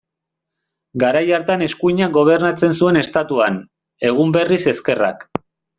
Garai hartan eskuinak gobernatzen zuen Estatuan, egun berriz, ezkerrak.